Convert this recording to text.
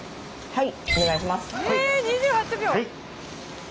はい。